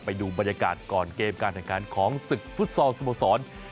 ไปดูบรรยากาศก่อนเกมการอันการของศึกฟุตซองส์สมสร